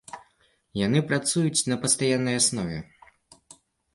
Яны працуюць на пастаяннай аснове.